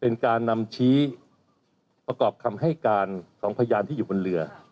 เป็นการนำชี้ประกอบคำให้การของพยานที่อยู่บนเรือ